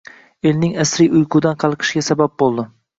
elning asriy uyqudan qalqishiga sabab bo'ldi.